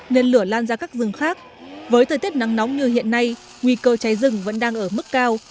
nên lửa lan ra các rừng khác với thời tiết nắng nóng như hiện nay nguy cơ cháy rừng vẫn đang ở mức cao